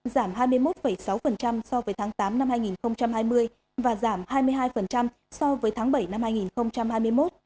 giảm hai mươi một sáu so với tháng tám năm hai nghìn hai mươi và giảm hai mươi hai so với tháng bảy năm hai nghìn hai mươi một